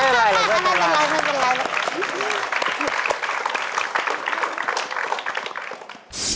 ไม่เป็นไรเลยปลอดภัยครับว้าวไม่เป็นไรไม่เป็นไร